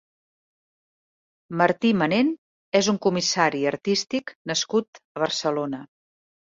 Martí Manen és un comissari artístic nascut a Barcelona.